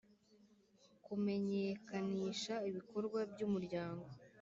Kumenyekanisha ibikorwa by’umuryango ;